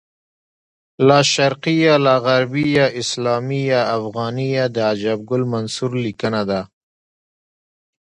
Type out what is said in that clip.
لاشرقیه لاغربیه اسلامیه افغانیه د عجب ګل منصور لیکنه ده